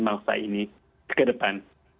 bangsa ini ke depan